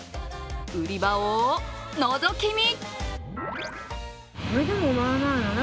売り場をのぞき見。